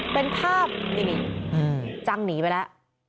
เป็นภาพนี่จังหนีไปแล้ว